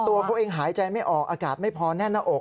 ตัวเขาเองหายใจไม่ออกอากาศไม่พอแน่นหน้าอก